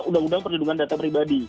undang undang perlindungan data pribadi